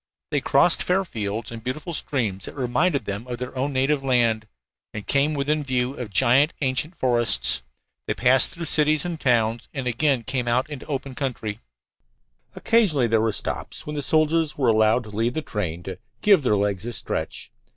They crossed fair fields and beautiful streams that reminded them of their own native land, and came within view of giant ancient forests. They passed through cities and towns and again came out into the open country. Occasionally there were stops, when the soldiers were allowed to leave the train "to give their legs a stretch."